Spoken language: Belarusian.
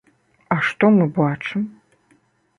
А што мы бачым?